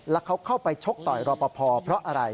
แล้วเขาเข้าไปชกต่อยรอปภเพราะอะไร